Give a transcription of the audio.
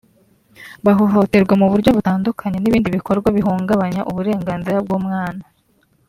bahohoterwa mu buryo butandukanye n’ibindi bikorwa bihungabanya uburenganzira bw’umwana